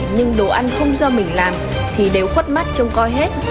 nhưng đồ ăn không do mình làm thì đều khuất mắt trông coi hết